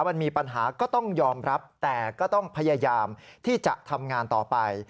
มันมีปัญหาก็ต้องยอมรับแต่ก็ต้องพยายามที่จะทำงานต่อไป